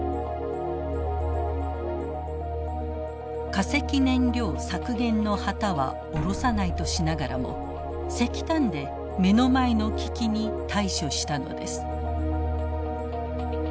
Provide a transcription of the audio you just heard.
化石燃料削減の旗は降ろさないとしながらも石炭で目の前の危機に対処したのです。